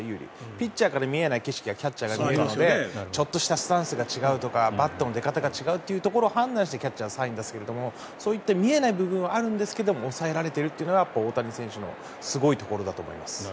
ピッチャーから見えない景色がキャッチャーから見えるのでちょっとしたスタンスが違うとかバットの出方が違うところを判断してキャッチャーはサインを出すけどそういった見えない部分はあるんですけど抑えられているというのがやっぱり大谷選手のすごいところだと思います。